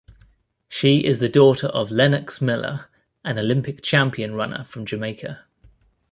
She is the daughter of Lennox Miller, an Olympic champion runner from Jamaica.